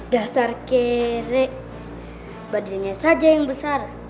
dasar kere badannya saja yang besar